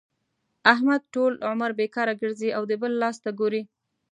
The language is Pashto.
احمد ټول عمر بېکاره ګرځي او د بل لاس ته ګوري.